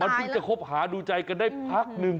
เพิ่งจะคบหาดูใจกันได้พักหนึ่ง